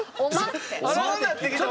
そうなってきたら俺。